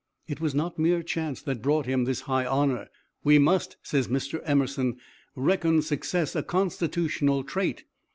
It was not mere chance that brought him this high honor. 'We must,' says Mr. Emerson, 'reckon success a constitutional trait.